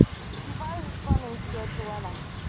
He advises Fleming to go to Lena.